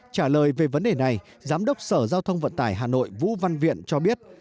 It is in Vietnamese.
trả lời về vấn đề này giám đốc sở giao thông vận tải hà nội vũ văn viện cho biết